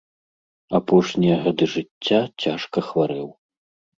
Апошнія гады жыцця цяжка хварэў.